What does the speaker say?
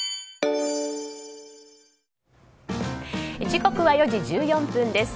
時刻は４時１４分です。